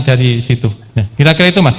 dari situ kira kira itu mas